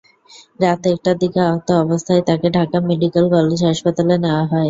রাত একটার দিকে আহত অবস্থায় তাঁকে ঢাকা মেডিকেল কলেজ হাসপাতালে নেওয়া হয়।